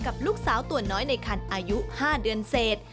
กับลูกสาวตัวน้อยในคันอายุ๕เดือนเศษ